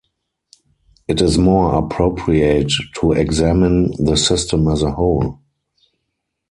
It is more appropriate to examine the system as a whole.